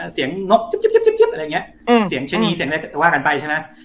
เสียงอะไรเงี้ยอืมเสียงเชนีเสียงอะไรว่ากันไปใช่ไหม